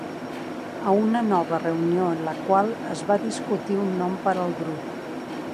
A una nova reunió en la qual es va discutir un nom per al grup.